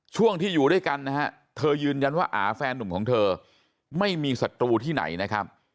ช่วงที่อยู่ด้วยกันนะฮะเธอยืนยันว่าอาแฟนนุ่มของเธอไม่มีศัตรูที่ไหนนะครับ